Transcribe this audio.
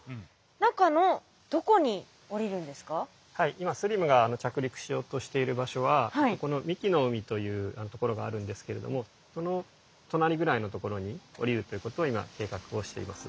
今ＳＬＩＭが着陸しようとしている場所はこの神酒の海というところがあるんですけれどもその隣ぐらいのところに降りるということを今計画をしています。